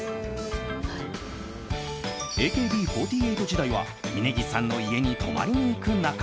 ＡＫＢ４８時代は峯岸さんの家に泊まりに行く仲。